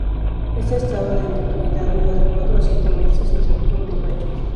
Este estado de inactividad dura de cuatro a siete meses, entre octubre y mayo.